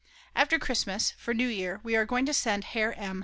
After Christmas; for New Year, we are going to send Herr M.